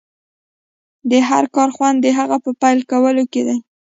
د هر کار خوند د هغه په پيل کولو کې دی.